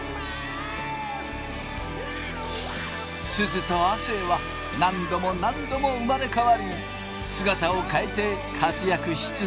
すずと亜生は何度も何度も生まれ変わり姿を変えて活躍し続けた。